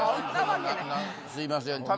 すいません。